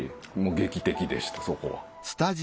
劇的でしたそこは。